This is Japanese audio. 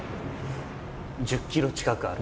１０ｋｇ近くある。